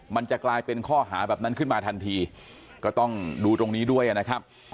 มันจะกลายเป็นข้อหาแบบนั้นขึ้นมาทันทีก็ต้องดูตรงนี้ด้วยนะครับ